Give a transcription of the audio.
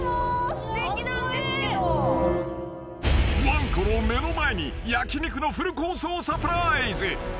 ［わんこの目の前に焼き肉のフルコースをサプライズ］